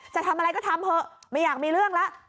จะทำอะไรก็ทำเถอะไม่อยากมีเรื่องแล้ว